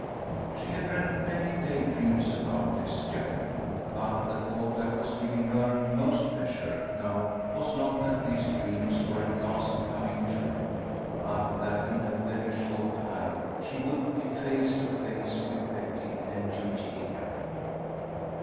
She had dreamed many day dreams about this journey, but the thought that was giving her most pleasure now was not that these dreams were at last coming true, but that in a very short time she would be face to face with Betty and Eugenia.